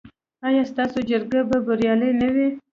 ایا ستاسو جرګې به بریالۍ نه وي؟